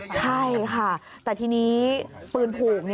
ใช่ค่ะแต่ทีนี้ปืนผูก